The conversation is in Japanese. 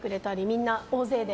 みんな、大勢で。